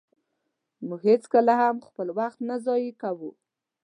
مونږ هيڅکله هم خپل وخت نه ضایع کوو.